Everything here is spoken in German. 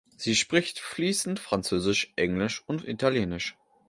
Sie spricht fließend Französisch, Englisch und Italienisch.